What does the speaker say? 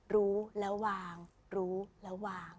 รู้แล้ววางรู้แล้ววาง